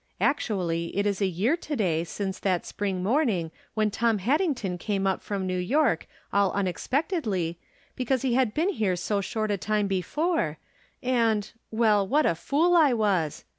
Actually it is a year to day since that spring morning when Tom Haddington came up from New York all unexpectedly, because he had been here so short a time before, and — well, what a fool I was